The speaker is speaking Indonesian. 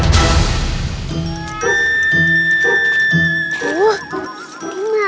kamu ada di sana